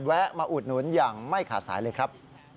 แวะมาอุดหนุนอย่างไม่ขาดสายเลยครับ